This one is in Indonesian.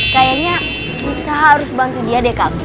kayaknya kita harus bantu dia deh kak